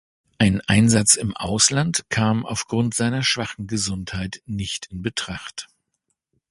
Ein Einsatz im Ausland kam aufgrund seiner schwachen Gesundheit nicht in Betracht.